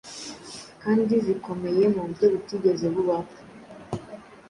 kandi zikomeye mu buryo butigeze bubaho.